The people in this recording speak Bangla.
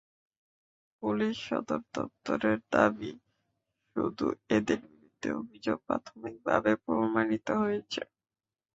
পুলিশ সদর দপ্তরের দাবি, শুধু এঁদের বিরুদ্ধে অভিযোগ প্রাথমিকভাবে প্রমাণিত হয়েছে।